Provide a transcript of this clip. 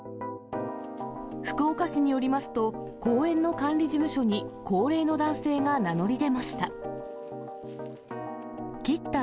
福岡市によりますと、公園の管理事務所に高齢の男性が名乗り出ました。